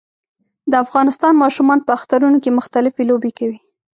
د افغانستان ماشومان په اخترونو کې مختلفي لوبې کوي